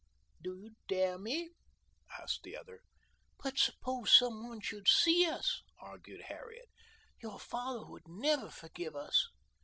"Do you dare me?" asked the other. "But suppose some one should see us?" argued Harriet. "Your father would never forgive us."